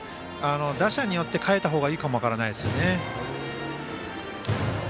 打者によって変えた方がいいかも分からないですね。